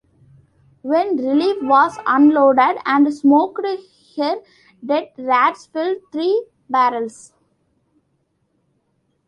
When "Relief" was unloaded and smoked, her dead rats filled three barrels.